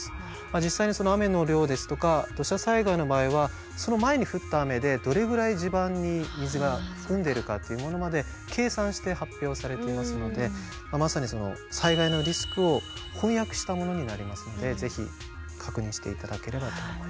実際にその雨の量ですとか土砂災害の場合はその前に降った雨でどれぐらい地盤に水が含んでいるかというものまで計算して発表されていますのでまさに災害のリスクを翻訳したものになりますのでぜひ確認して頂ければと。